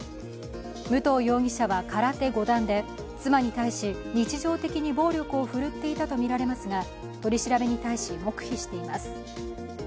武藤容疑者は空手５段で妻に対し日常的に暴力を振るっていたとみられますが、取り調べに対し黙秘しています